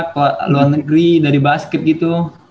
keluar negeri dari basket gitu